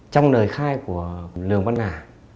trong nơi khai của lường văn hà